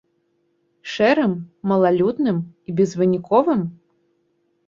Шэрым, малалюдным і безвыніковым?